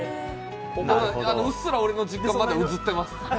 うっすら俺の実家まだ映ってます。